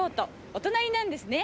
お隣なんですね。